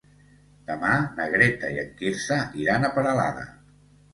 Demà na Greta i en Quirze iran a Peralada.